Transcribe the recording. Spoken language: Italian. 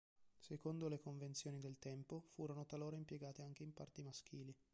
Secondo le convenzioni del tempo, furono talora impiegate anche in parti maschili.